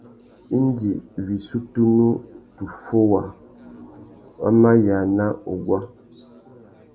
Indi wissú tunu tu fôwa, wa mà yāna uguá.